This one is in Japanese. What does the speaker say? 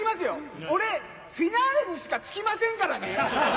俺、フィナーレにしかつきませんからね。